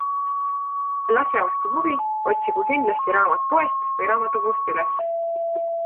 Kel asja vastu huvi, otsigu kindlasti raamat poest või raamatukogust üles.